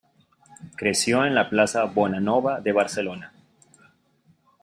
Creció en la plaza Bonanova de Barcelona.